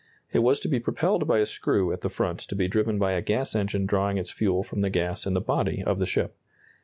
It was to be propelled by a screw at the front to be driven by a gas engine drawing its fuel from the gas in the body of the ship.